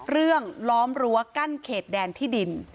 ล้อมรั้วกั้นเขตแดนที่ดิน